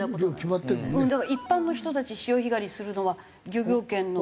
だから一般の人たち潮干狩りするのは漁業権の？